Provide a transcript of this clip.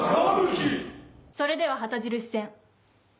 それでは旗印戦。